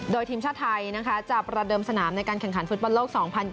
โดยทีมชาติไทยจะประเดิมสนามในการแข่งขันฟุตบอลโลก๒๐๒๐